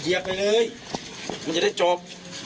เดี๋ยวไปเลยมันจะได้จบ